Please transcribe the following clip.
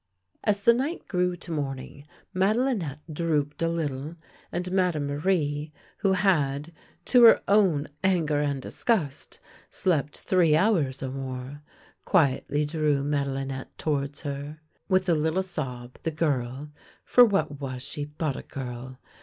As the night grew to morning, Madelinette drooped a little, and Madame Marie, who had, to her own anger and disgust, slept three hours or more, quietly drew Madelinette towards her. With a little sob the girl — for what was she but a girl!